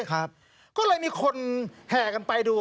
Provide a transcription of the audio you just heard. ก็เลยมีคนแห่กันไปดู